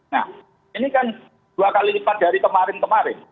nah ini kan dua kali lipat dari kemarin kemarin